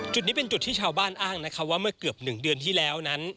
จุดนี้เป็นจุดที่ชาวบ้านอ้างนะคะว่าเมื่อเกือบ๑เดือนที่แล้วนั้น